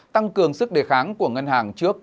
tăng cường sức đề kháng của ngân hàng trước